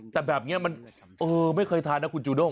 แต่แบบนี้มันไม่เคยทานนะคุณจูด้ง